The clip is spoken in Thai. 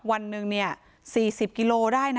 วันนึง๗๐กิโลได้